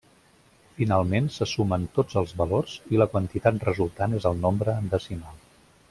Finalment, se sumen tots els valors i la quantitat resultant és el nombre en decimal.